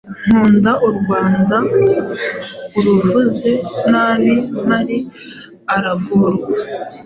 nkunda u Rwanda uruvuze nabi mpari aragorwa